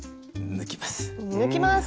抜きます。